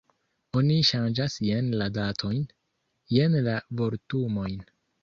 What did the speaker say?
Oni ŝanĝas jen la datojn, jen la vortumojn.